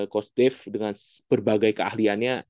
coach dave dengan berbagai keahliannya